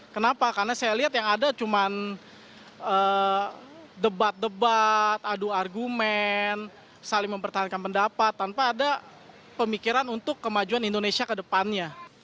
kenapa karena saya lihat yang ada cuma debat debat adu argumen saling mempertahankan pendapat tanpa ada pemikiran untuk kemajuan indonesia ke depannya